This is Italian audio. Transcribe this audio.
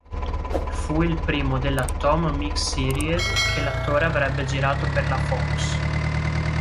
Fu il primo della "Tom Mix Series" che l'attore avrebbe girato per la Fox.